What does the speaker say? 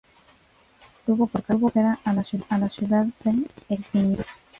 Tuvo por cabecera a la ciudad de El Piñón.